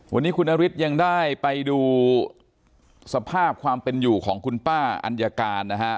วันนี้คุณนฤทธิ์ยังได้ไปดูสภาพความเป็นอยู่ของคุณป้าอัญญาการนะฮะ